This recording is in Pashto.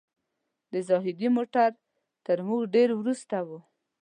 د زاهدي موټر تر موږ ډېر وروسته و.